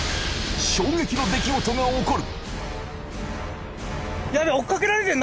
衝撃の出来事が起こる！